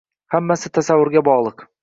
Hammasi tasavvurga bog‘liq.